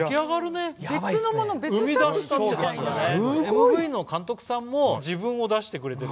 ＭＶの監督さんも自分を出してくれてる。